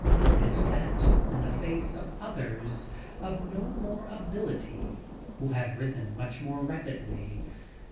And that in the face of others of no more ability who have risen much more rapidly.